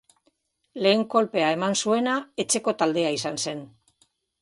Lehen kolpea eman zuena etxeko taldea izan zen.